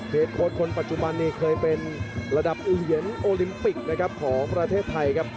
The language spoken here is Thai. โค้ดคนปัจจุบันนี้เคยเป็นระดับอึงเย็นโอลิมปิกนะครับของประเทศไทยครับ